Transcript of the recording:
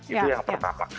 itu yang pertama